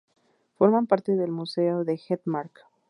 Forman parte del Museo de Hedmark.